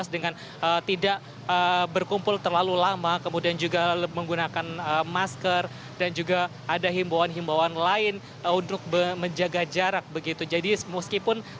dengan tidak berkumpul terlalu lama kemudian juga menggunakan masker dan juga ada himbauan himbauan lain untuk menjaga jarak